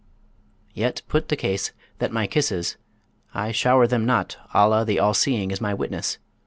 Yet put the case, that my kisses I shower them not, Allah the All seeing is my witness!